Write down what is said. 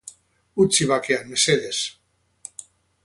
Utzi bakean, mesedez.